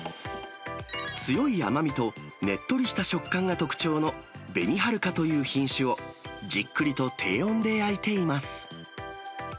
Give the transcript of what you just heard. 強い甘みとねっとりした食感が特徴の紅はるかという品種をじっくりと低温で焼いています。